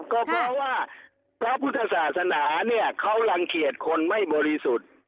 ก็เพราะว่าพระพุทธศาสนาเนี่ยเขารังเกียจคนไม่บริสุทธิ์